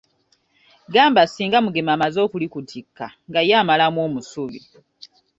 Gamba singa Mugema amaze okulikutikka nga ye amalamu omusubi.